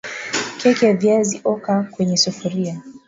Keki ya viazi oka kwenye sufuria